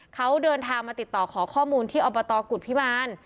เขาเดินทางมาติดต่อขอข้อมูลที่อบตกุฎพิมาร